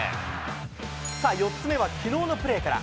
４つ目はきのうのプレーから。